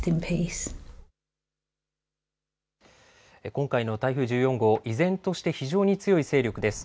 今回の台風１４号、依然として非常に強い勢力です。